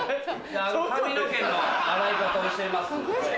髪の毛の洗い方教えますんで。